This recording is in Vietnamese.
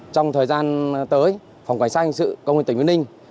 trong thời gian tới phòng cảnh sát hình sự công nghệ tỉnh vương ninh